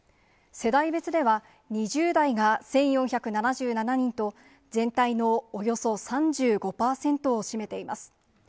世代別では、２０代が１４７７人と、全体のおよそ３５％を占めています。